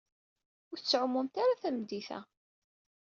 Ur tettɛumumt ara tameddit-a.